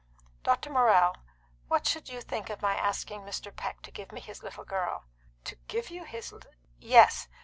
"Dr. Morrell, what should you think of my asking Mr. Peck to give me his little girl?" "To give you his " "Yes.